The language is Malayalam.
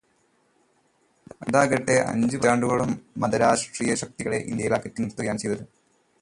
അതാകട്ടെ, അഞ്ചു പതിറ്റാണ്ടുകളോളം മതരാഷ്ട്രീയശക്തികളെ ഇന്ത്യയില് അകറ്റി നിര്ത്തുകയാണു ചെയ്തത്.